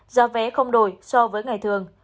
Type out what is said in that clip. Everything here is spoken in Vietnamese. giao vé không đổi so với ngày thường